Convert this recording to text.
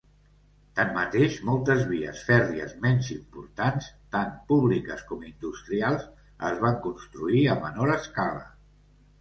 Tanmateix, moltes vies fèrries menys importants, tant públiques com industrials, es van construir a menor escala.